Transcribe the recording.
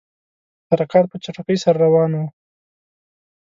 حرکات په چټکۍ سره روان وه.